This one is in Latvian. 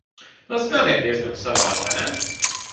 Tas gan ir diezgan savādi, vai ne?